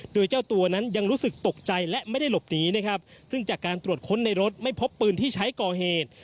โดยเจ้าตัวนั้นยังรู้สึกตกใจและไม่ได้หลบหนีนะครับซึ่งจากการตรวจค้นในรถไม่พบปืนที่ใช้ก่อเหตุ